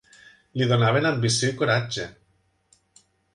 Li donaven ambició i coratge